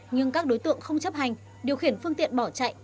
nhưng các đối tượng không chấp hành điều khiển phương tiện bỏ chạy